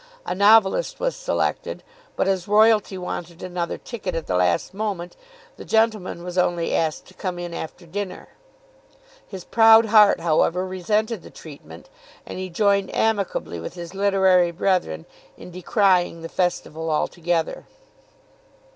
A novelist was selected; but as royalty wanted another ticket at the last moment, the gentleman was only asked to come in after dinner. His proud heart, however, resented the treatment, and he joined amicably with his literary brethren in decrying the festival altogether.